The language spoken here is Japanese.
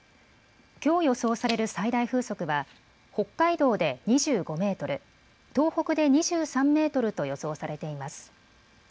きょう予想される最大風速は北海道で２５メートル、東北で２３メートルと予想されています。